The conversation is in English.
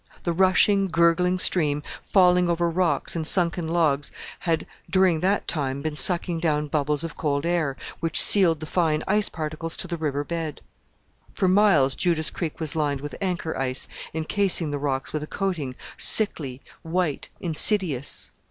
The rushing, gurgling stream, falling over rocks and sunken logs, had during that time been sucking down bubbles of cold air, which sealed the fine ice particles to the river bed. For miles Judas Creek was lined with anchor ice, encasing the rocks with a coating, sickly, white, insidious.